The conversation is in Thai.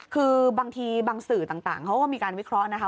คือบางทีบางสื่อต่างเขาก็มีการวิเคราะห์นะคะ